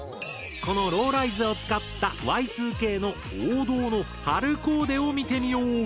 このローライズを使ったＹ２Ｋの王道の春コーデを見てみよう！